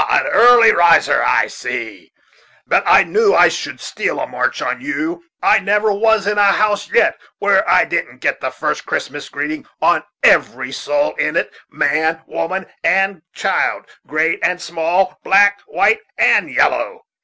an early riser, I see; but I knew I should steal a march on you. I never was in a house yet where I didn't get the first Christmas greeting on every soul in it, man, woman, and child great and small black, white, and yellow.